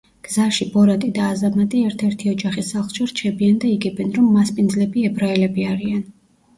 გზაში, ბორატი და აზამატი ერთ-ერთი ოჯახის სახლში რჩებიან და იგებენ, რომ მასპინძლები ებრაელები არიან.